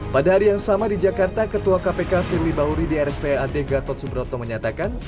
pada hari yang sama di jakarta ketua kpk firly bahuri di rspad gatot subroto menyatakan